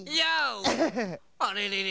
あれれれ？